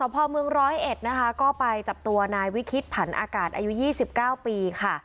พอเมืองร้อยเอ็ดนะคะก็ไปจับตัวนายวิคิตผันอากาศอายุ๒๙ปีค่ะ